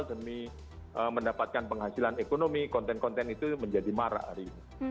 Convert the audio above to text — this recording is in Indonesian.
demi mendapatkan penghasilan ekonomi konten konten itu menjadi marak hari ini